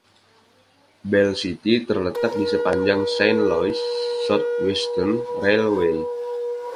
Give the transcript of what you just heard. Bell City terletak di sepanjang Saint Louis Southwestern Railway.